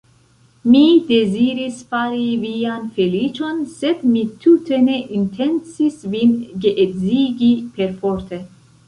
Mi deziris fari vian feliĉon, sed mi tute ne intencis vin geedzigi perforte.